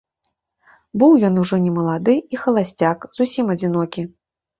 Быў ён ужо не малады, і халасцяк, зусім адзінокі.